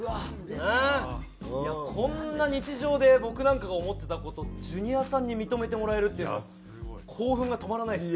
こんな日常で僕なんかが思ってた事をジュニアさんに認めてもらえるっていうのも興奮が止まらないです。